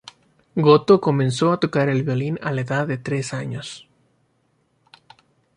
Goto comenzó a tocar el violin a la edad de tres años.